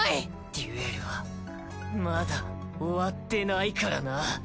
デュエルはまだ終わってないからな。